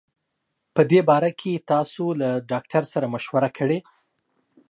په دي باره کي تاسو له ډاکټر سره مشوره کړي